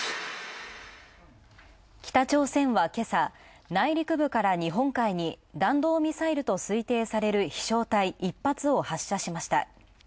北朝鮮は今朝、内陸部から日本海に弾道ミサイルと推定される飛翔体、１発を発射しました